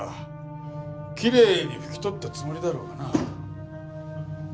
きれいに拭き取ったつもりだろうがな。